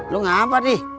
lo ngapa dih